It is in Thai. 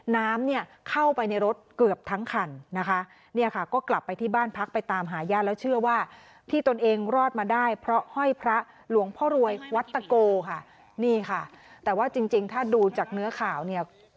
นี่ค่ะแต่ว่าจริงถ้าดูจากเนื้อข่าวเนี่ย